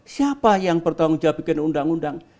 siapa yang bertanggung jawab bikin undang undang